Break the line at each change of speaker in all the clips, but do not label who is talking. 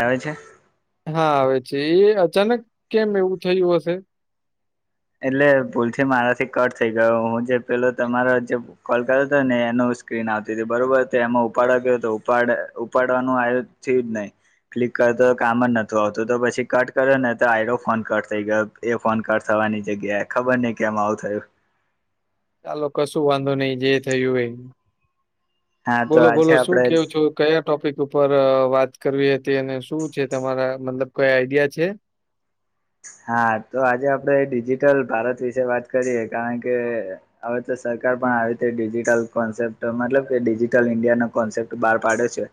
આવે છે
હા આવે છે એ અચાનક કેમ એવું થયું હશે.
એટલે ભૂલથી મારાથી કટ થઈ ગયો હું જે પેલો તમારો જે કોલ કર્યો હતો ને એનું સ્ક્રીન આવતી હતી બરોબર તો એમાં ઉપાડવા ગયો તો ઉપાડ ઉપાડવાનું આવ છે જ નહી ક્લિક કરતો કામ જ નોત આવતું તો પછી કટ કર્યો ને તો આઈરો ફોન કટ થઈ ગયો એ ફોન કટ થવાની. જગ્યાએ ખબર નહ કેમ આવું થયું.
ચાલો કશું વાંધો નહીિ જે થયું હોય
હા તો
બોલો બોલો
આજે
શું
આપડે
કેવું છો કયા ટોપિક ઉપર વાત કરવી હતી અને શું છે તમારા મતલબ કયા આઈડિયા છે.
હા તો આજે આપડે ડિજિટલ ભારત વિશે વાત કરીએ કારણ કે હવે તો સરકાર પણ આવી રીતે ડિજિટલ કોન્સેપ્ટ મતલબ કે ડિજિટલ ઇન્ડિયાનો કોન્સેપ્ટ બાર પાડે છે.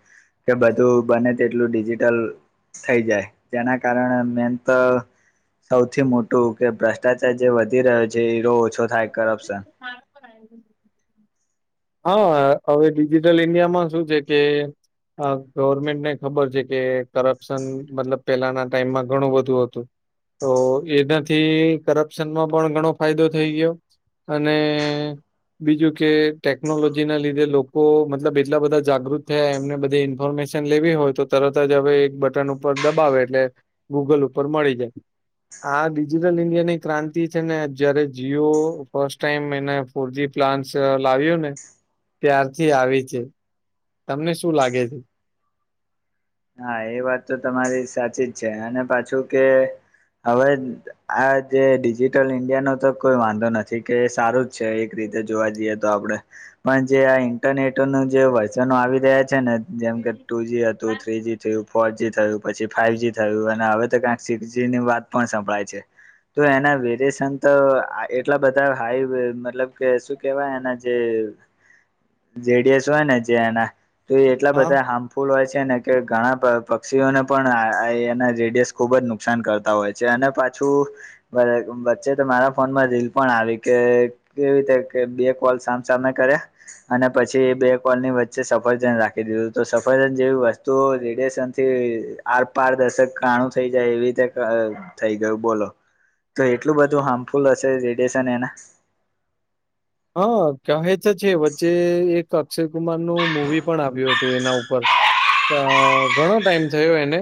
કે બધું બને તેટલું ડિજિટલ થઈ જાય જેના કારણે મેન તો સૌથી મોટું કે ભ્રષ્ટાચાર જે વધી રહ્યો છે એો ઓછો થાય કરપ્શન
હા પણ હા હવે ડિજિટલ ઇન્ડિયામાં શું છે કે હ ગવર્મેન્ટને ખબર છે કે કરપ્શન મતલબ પેલાના ટાઈમમાં ઘણું બધું હતું. તો એનાથી કરપ્શનમાં પણ ઘણો ફાયદો થઈ ગયો. અને બીજું કે ટેકનોલોજીના લીધે લોકો મતલબ એટલા બધા જાગૃત થયા એમને બધી ઇન્ફોર્મેશન લેવી હોય તો તરત જ હવે એક બટન ઉપર દબાવે એટલે ગૂગલ ઉપર મળી જાય. આ ડિજિટલ ઈન્ડિયા ની ક્રાંતિ છે ને જયારે જીઓ ફર્સ્ટ ટાઈમ એને. ફૂરજી પ્લાન્ટસ લાવ્યું ને ત્યારથી આવી છે. તમને શું લાગે.
હા એ વાત તો તમારી સાચી જ છે અને પાછું કે. હવે આ જે ડિજિટલ ઈન્ડિયા નો તો કોઈ વાંધો નથી. કે એ સારું જ છે એક રીતે જોવા જઈએ તો આપડણે. પણ જે આ ઇન્ટરનેટ નું જે વર્ઝનો આવી રહ્યા છે ને જેમ કે ટુ જી હતું થ્રીજી. ફોરજી થયું પછી ફાઈવ જ થયું અને હવે તો કક સિક્સજી ની વાત પણ સંભળાય છે. તો એના વેરિએશન તો એટલા બધા હાઈ મતલબ. કે શું કેવાય એના જે જેડીએસ હોય ને જે એના. તો એટલા
હા
બધા હાર્મફુલ હોય છે ને કે. ઘણા પ પક્ષીઓને પણ અ એના જેડીએસ ખુબ જ નુકસાન કરતા હોય છે અને પાછું. બ વચ્ચે તો મારા ફોન માં રીલ પણ આવી કે. એવી રીતે કે બે કોલ સામ સામે કર્યા. અને પછી એ બે કોલની વચ્ચે સફરજન રાખી દીધું તો સફરજન જેવી વસ્તુ. તો રેડિયશન થી આર પારદર્શક કાણું થઈ જાય એવી રીતે. થઈ ગયું બોલો તો એટલું બધું હાર્મફુલ હશે રેડિેશન એના.
હા કહે તો છે વચ્ચે એક અક્ષય કુમાર નું મુવી પણ આવ્યું હતું એના ઉપર. અ ઘણો ટાઈમ થયો એને.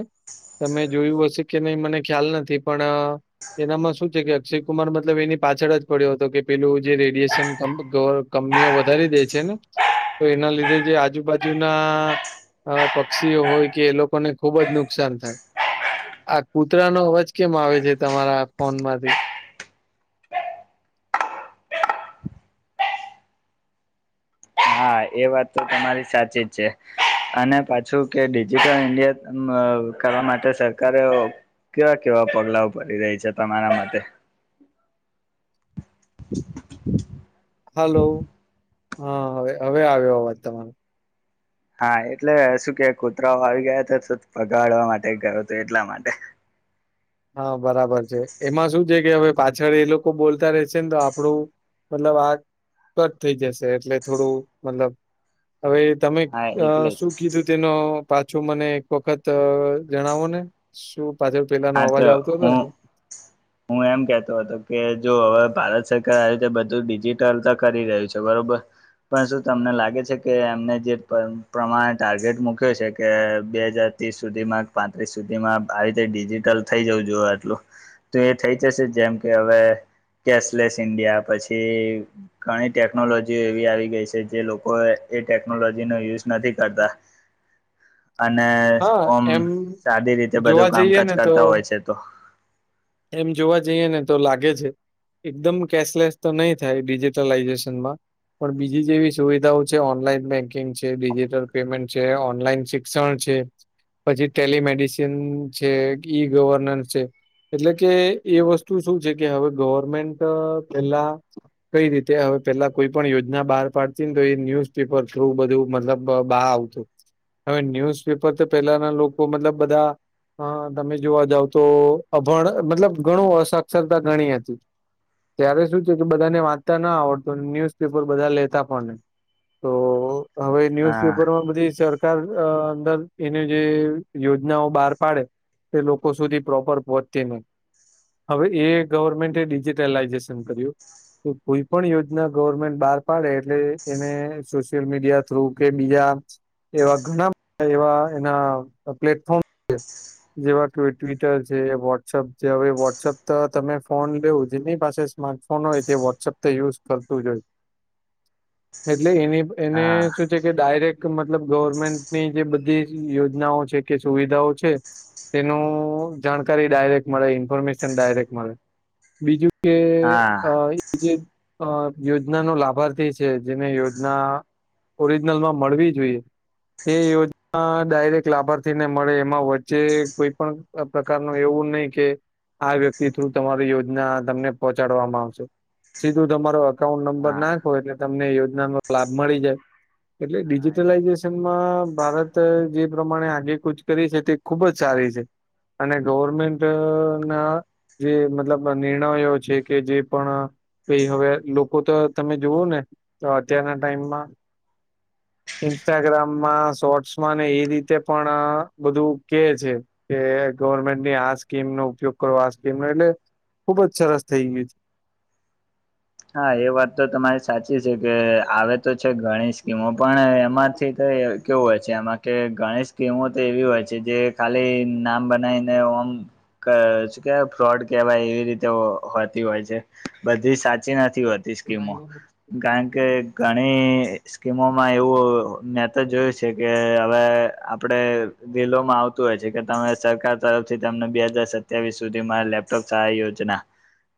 તમે જોયું હશે કે નહી મને ખ્યાલ નથી પણ. એનામાં શું છે કે અક્ષય કુમાર મતલબ એની પાછળ જ પડ્યો હતો કે પેલું જે રેડિએેશન. કંપનીઓ વધારી દે છે ને તો એના લીધે જે આજુબાજુના અ પક્ષીઓ હોય કે એ લોકોને ખુબ જ નુકસાન થાય. આ કૂતરાનો અવાજ કેમ આવે છે તમારા ફોનમાંથી.
હા એ વાત તો તમારી સાચી જ છે. અને પાછું કે ડિજિટલ ઇન્ડિયા અ કરવા માટે સરકારે. કેવા કેવા પગલાંઓ ઉપાડી રહી છે તમારા માટે. [inaudible] [unintelligible]
હલો હા હવે હવે આવ્યો અવાજ તમારો.
હા એટલે શું કે કુતરાઓ આવી ગયા હતા તો ભગાડવા માટે ગયો હતો એટલા માટે.
હા બરાબર છે એમાં શું છે કે હવે. પાછળ એ લોકો બોલતા રેશે ને તો આપણું મતલબ આ. કટ થઈ જશે એટલે થોડું મતલબ હવે તમે
હા
અ
એટલે જ
શું કીધું. ન પાછો મને એક વખત જણાવો ને શું પાછળ પેલા.
હા
અવાજ
તો
આવતો
હું
હતો.
હું એમ કેતો હતો કે જો હવે ભારત સરકાર આવી રીતે બધું ડિજટલ તો કરી રહ્યું છે બરોબર. પણ શું તમને લાગે છે કે એમને જે પ્રમાણે ટાર્ગેટ મૂક્યો છે કે બે હજાર. ત્રીસ સુધીમાં પાંત્રીસ સુધીમાં આવી રીતે ડિજિટલ થઈ જવું જો આટલું. તો એ થઈ જશે જેમ કે હવે કેશલેસ ઇન્ડિયા પછી. ઘણી ટેકનોલોજી એવી આવી ગઈ છે જે લોકો એ ટેકનોલોજી ન યુઝ નથી કરતા. અને
હા
ઓમ
એમ
સાદી રીતે
જોવા
બધું
જઈએ
કામકાજ
ને તો
કરતા હોય છે તો.
એમ જોવા જઈએ ને તો લાગે છે. એકદમ કેશલેસ તો નહી થાય ડિજિટલ લાઈઝેશનમાં. પણ બીજી જેવી સુવિધાઓ છે ઓનલાઈન બેન્કિંગ છે ડિજિટલ પેમેન્ટ છે ઓનલાઈન છે. શિક્ષણ છે પછી ટેલિમેડિસન છે ઈ ગવર્નન્સ છે. એટલે કે એ વસ્તુ શું છે કે હવે ગવર્મેન્ટ પેલા. કઈ રીતે હવે પેલા કોઈ પણ યોજના બહાર પાડતી ને તો એ ન્યુઝપેપર થ્રુ બધું મતલબ. બ બાહ આવતું. હવે ન્યુઝ પેપર તો પેલાના લોકો મતલબ બધા અ તમે જોવા જાવ તો. અભણ મતલબ ઘણું અસાક્ષરતા ગણી હતી. ત્યારે શું થયું કે બધાને વાંચતા ના આવડત ન્યુઝપેપર બધા લેતા પણ નય. તો હવે
હા
ન્યુઝપેપરમાં બધી સર. દર અ દર, એની જે યોજનાઓ બહાર પાડે તે લોકો સુધી પ્રોપર વતેનો, હવે એ ગવર્મેન્ટે ડિજિટલાઈઝેશન કર્યું. તો કોઈ પણ યોજના ગવર્મેન્ટ બહાર પાડે એટલે એને સોશિયલ મીડિયા થ્રુ કે બીજા એવા ઘણા એવા એના પ્લેટફોર્મ છે. જેવા કે ટ્વિટરસ. જે વોટ્સઅપ જે હવે વોટ્સઅપ તો તમે ફોન લેવો જેની પાસે સ્માર્ટફોન હોય તે વોટ્સઅપ તો યુઝ ફરતુંજ હોય.
[inaudible]
એટલે એની એને
હા
શું છે. કે ડાયરેક્ટ મતલબ ગવર્મેન્ટની જે બધી યોજનાઓ છે, કે સુવિધાઓ છે. તેનું જાણકારી ડાયરેક્ટ મળે, ઇન્ફોર્મેશન ડાયરેક્ટ મળે, બીજું કે
હા
અ એ જે અ યોજના નો લાભાર્થી છે, જેને યોજના ઓરિજનલ માં મળવી જોઈએ. તે યોજના ડાયરેક્ટ લાભાર્થીને મળે, એમાં વચ્ચે કોઈ પણ અપ પ્રકાર નુ એવું નહીકે, આ વ્યક્તિ થ્રુ તમારી યોજના તમને પહોંચાડવામાં આવશે. સીધું તમારો અકાઉન્ટ નંબર
હા
નાખો, એટલે તમને યોજના નો લાભ મળી જાય. એટલે
હા
ડિજિટલાઈઝેશનમાં ભારત જે પ્રમાણે આજે કુચ કરી શકે, તે ખુબ જ સારી છે. અને ગવર્મેન્ટ ના જે મતલબ નિર્ણયો છે, કે જે પણ પે હવે લોકો તો તમે જોવઓ ને, તો અત્યારના ટાઈમમાં.
[inaudible]
ઇન્સ્ટાગ્રામમાં, શોર્ટ્સમાં ને એ રીતે પણ બધું કે છે. કે ગવર્મેન્ટની આ સ્કીમ નો ઉપયોગ કરવો, આ સ્કીમ નો, એટલે ખુબ જ સરસ થઈ ગયું છે.
હા એ વાત તો તમારી સાચી છે, કે આવે તો છે ગણી સ્કીમો, પણ એમાંથી તો કેવું હોય છે, એમાં કે ઘણી સ્કીમો તો એવી હોય છે જે ખાલી નામ બનાવીને ઓમ ક શું કેવાય, ફ્રોડ કેવાય એ રીતે હોતી હોય છે, બધી સાચી નથી હોત તી સ્કીમો, કારણકે ઘણી સ્કીમોમાં એવું ઓ, મેતો જોયું છે કે, હવે આપડે ધીલોમાં આવતું હોય છે, કે તમે સરકાર તરફથી તમને બે હાજાર સત્યાવીસ સુધી મા લેપ સવચાઈ યોજના,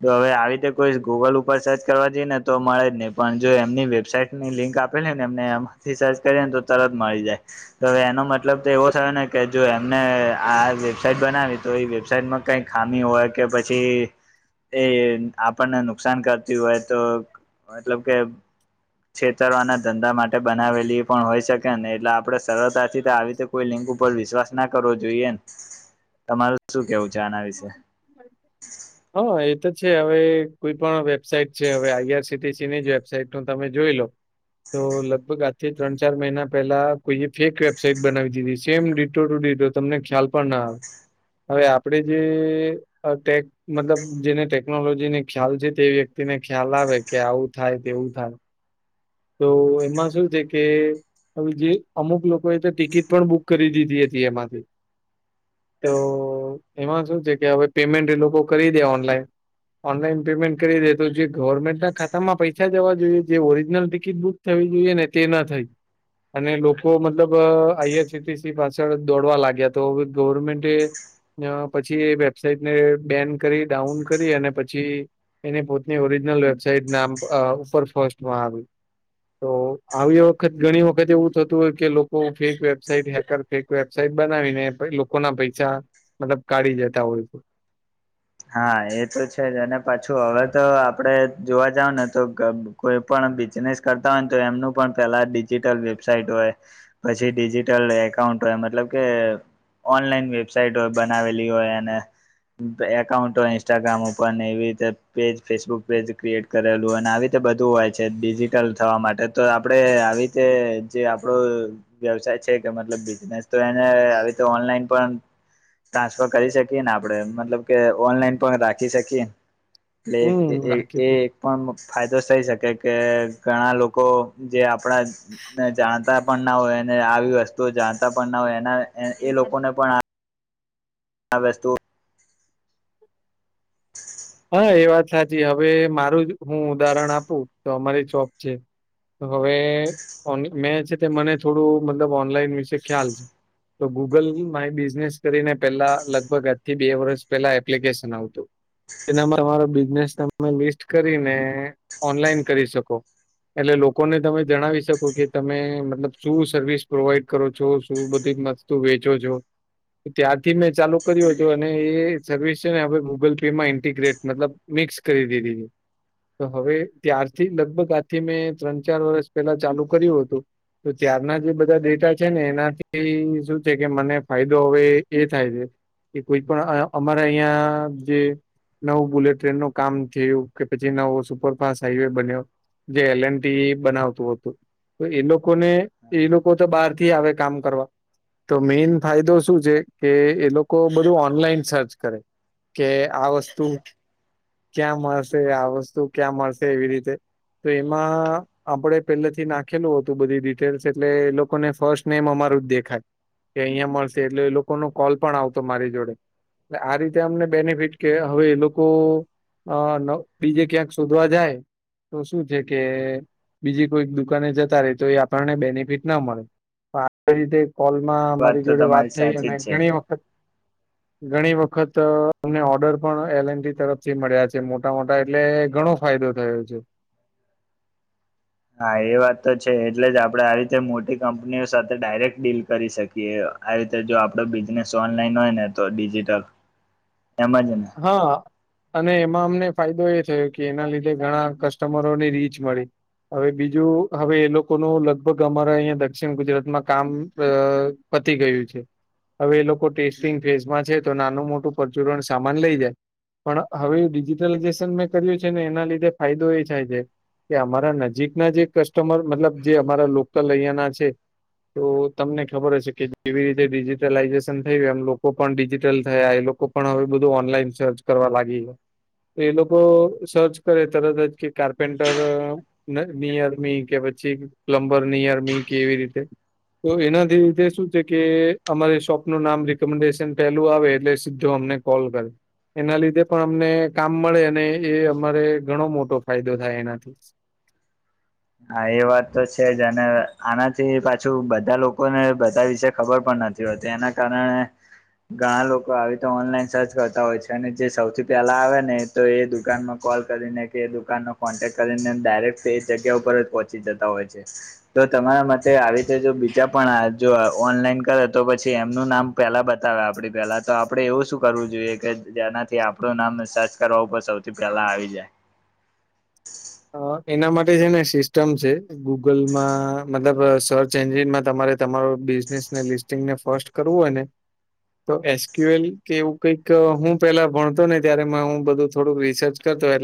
તો હવે આવીતે કોઈ ગૂગલ ઉપ ઉપ સર્ચ કરવા જઈએ ને તો મળે જ નહી, પણ જો એમની વેબસાઈટની લિંક આપેલી ને એમને એમ થી સર્ચ કરીએ ને તો તરત મળી જાય. તો હવે એનો મતલબ તો એવો થયોને કે, જો એમને આ વેબસાાઈટ બનાવી, તો એ વેબસાાઈટમાં કઈ ખામી હોય કે, પછી એ આપણને નુકસાન કર ટી હોય તો, મતલબ કે છેતરવાના ધંધા માટે બનાવેલી પણ હોય શકે ને, એટલે આપડે સરળતાથી આવી રીતે કોઈ લિંક ઉપર વિશ્વાસ ના કરવો જોઈએ ન તમારું શું કેવું છે? આના વિશે.
હા એ તો છે, હવે કોઈ પણ વેબસાાઈટ છે, હવે આઈ આર સી સી ની જ વેબસાાઈટ નું તમે જોઈલો તો લગભગ આજથી ત્રણ ચાર મહિના પહેલા કોઈએ ફેક વેબસાઇટ બનાવી દીધી, સેમ ડિટો ટુ ડિટો તમને ખ્યાલ પણ ના આવે. હવે આપડે જે અ ટેક. મતલબ જેને ટેકનોલોજીની ખ્યાલ છે, તે વ્યક્તિને ખ્યાલ આવે કે આવું થાય, તેવું થાય. તો એમાં શું છે કે હવેજે, અમુક લોકોએ તો ટિકિટ પણ બુક કરી દીધી હતી એમાંથી. તો એમાં શું છે, કે હવે પેમેન્ટ એ લોકો કરી દે ઓનલાઈન. ઓનલાઈન પેમેન્ટ કરી દે તો, જે ગવર્મેન્ટના ખાતામાં પૈસા જવા જોઈએ જે ઓરિજનલ ટી કિટ બુક થવી જોઈએને તે ના થઈ. અને લોકો મતલબ અ I R C T C પાછળ દોડવા લાગ્યા, તો ગવર્મેન્ટે પછી એ વેબસાઇટ ને બેન કરી, ડાઉન કરી અને પછી એને પોતની ઓરિજનલ વેબસાઈટ નામ ઉપર ફસ્ટમાં આવ્યું. તો આવી વખત ઘણી વખત એવું થતું હોય કે, લોકો fake website hacker fake website બનાવીને ભાઈ લો કોના પૈસા, મતલબ કાઢી જતા હોય છે.
હા એ તો છેજ, અને પાછું હવે તો આપડે જોવા જાવો ને તો, ગબ કોઈ પણ બિઝનેસ કરતા હોય ને તો એમનું પણ પેલા ડિજિટલ વેબસઇટ હોય. પછી ડિજીિટલ એકાઉન્ટ હોય મતલબ કે ઓનલાઈન વેબસાઇટ હોય બનાવેલી હોય અને એકાઉન્ટ હોય ઇન્સ્ટાગ્રામ ઉપર ને એવી રીતે પેજ ફેસબુક પેજ ક્રિએટ કરેલું અને આવી રીતે બધું હોય છે ડિજિટ થવા માટે તો આપણે આવી રીતે જે આપણો વ્યવસાય છે કે મતલબ બિઝનેસ તો એને આવી તો ઓનલાઈન પણ ટ્રાન્સફર કરી શકીએ ને આપડણે મતલબ કે ઓનલાઈન પણ રાખી શકીએ એટલે
હમ રાખી
એ પણ ફાયદો થઈ શકે કે ઘણા લોકો જે આપણા જાણતા પણ ના હોયને આવી વસ્તુઓ જાણતા પણ ના હોય એના એ લોકોને પણ વસ્તુ
હા એ વાત સાચી હવે મારું જ હું ઉદાહરણ આપું તો અમારી જોબ છે. તો હવે મેં છે તે મને થોડું મલબ ઓનલાઈન વિશે ખ્યાલ છે. તો ગૂગલ માય બિઝનેસ કરીને પેલા લગભગ આજ થી બે વર્ષ પેલા એપ્લિકેશન આવતું. એના તમારો બિઝનેસ તમે લિસ્ટ કરીને ઓનલાઈન કરી શકો. એટલે લોકોને તમે જણાવી શકો કે તમે મતલબ શું સર્વિસ પ્રોવાઈડ કરો છો શું બધી વસ્તું વેચો છો. ત્યાંથી મેં ચાલુ કર્યો હતું અને એ સર્વિસ છે ને હવે ગૂગલ પે માં [unintelligible] મતલબ મિક્સ કરી દીધી છે. તો હવે ત્યારથી લગભગ આથી મેં ત્રણ ચાર વર્ષ પહેલા ચાલુ કર્યું હતું. તો ત્યારના જે બધા ડેટા છે ને એનાથી શું છે કે મને ફાયદો હવે એ થાય છે. એ કોઈ પણ અમારા અહિયાં જે નવું બુલેટ ટ્રેન નું કામ થયું કે પછી નવો સુપરફાસ્ટ હાઈવે બન્યો. જે એલ એન ટી બનાવતું હતું. તો એ લોકોને એ લોકો તો બહાર થી આવે કામ કરવા. તો મેન ફાયદો શું છે કે એ લોકો બધું ઓનલાઈન સર્ચ કર. કે આ વસ્તુ ક્યાં મળશે આ વસ્તુ ક્યાં મળશે એવી રીતે. તેમાં આપડે પહેલે થી નાખેલું હતું બધી ડિટેલ્સ એટલે એ લોકોને ફર્સ્ટ નેમ અમારું જ દેખાય. કે અહિયાં મળશે એટલે એ લોકો ન કોલ પણ આવતો મારી જોડે. એટલે આ રીતે અમને બેનિફિટ કે હવે એ લોકો બીજે ક્યાંક શોધવા જાય. તો શું છે કે બીજી કોઈક દુકાને જતા રે તો એ આપણને બેનિફિટ ના મળે. આવી રીતે કોલમાં
વાત
અમારી
તો
જોડે વાત
તમારી
થઈ
સાચી
અને
જ છે
ઘણી વખત ઘણી વખત અમને ઓર્ડર પણ એલ એન તરફથી મળ્યા છે મોટા મોટા એટલે ઘણો ફાયદો થયો છે.
હા એ વાત તો છે એટલે જ આપડણે આ રીતે મોટી કંપનીઓ સાથે ડાયરેક્ટ ડીલ કરી શકીએ. આ રીતે જો આપડો બિઝનેસ ઓનલાઈન હોય ને તો ડિજીિટલ એમજ ને
હા. અને એમાં અમને ફાયદો એ થયો કે એના લીધે ઘણા કસ્ટમરોની રીચ મળી. હવે બીજું હવે એ લોકોનું લગભગ અમારા અહીંયા દક્ષિણ ગુજરાતમાં કામ પતી ગયું છે હવે એ લોકો ટેસ્ટિંગ ફેઝમાં છે તો નાનું મોટું પ્રચુરણ સામાન લઈ જાય પણ હવે ડિજિટલાઈઝેશન મેં કર્યું છે ને એના લીધે ફાયદો એ થાય છે. કે અમારા નજીકના જે કસ્ટમર મતલબ જે અમારા લોકલ અહિયાં ના છે. તો તમને ખબર હશે કે જેવી રીતે ડિજિટલાઇઝેશન થયું એમ લોકો પણ ડિજિટલ થયા એ લોકો લોકો પણ હવે બધું ઓનલાઈન સર્ચ કરવા લાગી. એ લોકો સર્ચ કરે તરત જ કે કાર્પેન્ટર. નિયમી કે પછી પ્લમ્બર નિયમી કે એવી રીતે. તો એનાથી લીધે શું છે કે અમારી શોપ નું નામ રિકમેન્ડેશન પહેલું આવે એટલે સીધો અમને કોલ કરે. એના લીધે પણ અમને કામ મળે અને એ અમારે ઘણો મોટો ફાયદો થાય એનાથી.
હા એ વાત તો છે જ અને આનાથી પાછું બધા લોકોને બધા વિશે ખબર પણ નથી. એના કારણે. ઘણા લોકો આવી તો ઓનલાઈન સર્ચ કરતા હોય છે અને જે સૌથી પહેલા આવે ને. તો એ દુકાનમાં કોલ કરીને કે દુકાનનો કોન્ટેક્ટ કરીને ડાયરેક્ટ જગ્યા. પરરત પહોંચી જતા હોય છે. તો તમારા મતે આવી રીતે જો બીજા પણ જો ઓનલાઈન કરે તો પછી એમનું નામ. પહેલાં બતાવે આપણે પહેલા તો આપણે એવું શું કરવું જોઈએ કે જેનાથી આપણું નામ સર્ચ કરવા ઉપર સૌ. તો પેલા આવી જાય.
હ એના માટે છે ને સિસ્ટમ છે. ગુગલમાં મતલબ સર્ચ એન્જિનમાં તમારે તમારો બિઝનેસને લિસ્ટ. ને ફર્સ્ટ કરવું હો ને. તો એસક્યુ એલ કે એવું કઈક હું પેલા ભણતો ને ત્યારે હું બધું થોડુંક રિસર્ચ કરતોટ.